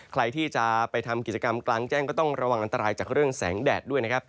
ใครที่จะไปทำกิจกรรมกลางแจ้งก็ต้องระวังอันตรายจากเรื่องแสงแดดด้วยนะครับ